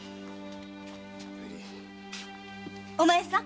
お前さん。